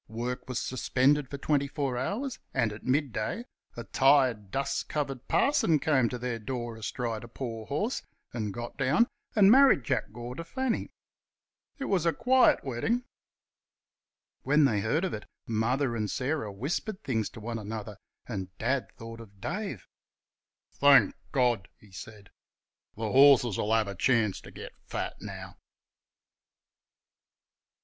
Work was suspended for twenty four hours, and at midday, a tired, dust covered parson came to their door astride a poor horse and got down and married Jack Gore to Fanny. It was a quiet wedding. When they heard of it Mother and Sarah whispered things to one another, and Dad thought of Dave. "Thank God!" he said, "th' horses'll have a chance ter get fat now!"